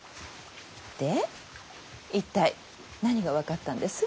で一体何が分かったんです？